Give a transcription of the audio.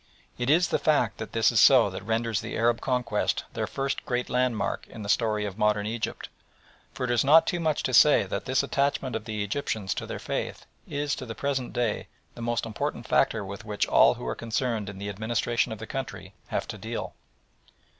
It is the fact that this is so that renders the Arab conquest the first great landmark in the story of modern Egypt, for it is not too much to say that this attachment of the Egyptians to their faith is to the present day the most important factor with which all who are concerned in the administration of the country have to deal.